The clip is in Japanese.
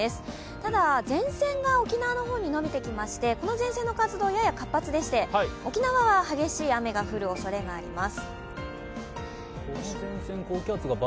ただ、前線が沖縄の方にのびてきまして、この前線の活動やや活発でして沖縄は激しい雨が降るおそれがあります。